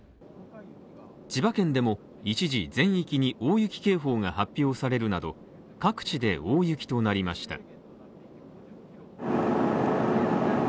千葉県でも一時全域に大雪警報が発表されるなど、各地で大雪となりました。